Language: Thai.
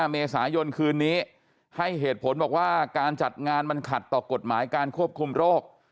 เมษายนคืนนี้ให้เหตุผลบอกว่าการจัดงานมันขัดต่อกฎหมายการควบคุมโรค